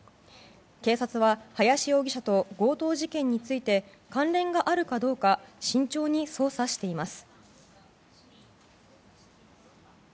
警察は林容疑者と強盗事件について関連があるかどうか慎重に捜査しています。